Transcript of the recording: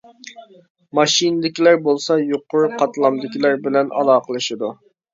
ماشىنىدىكىلەر بولسا يۇقىرى قاتلامدىكىلەر بىلەن ئالاقىلىشىدۇ.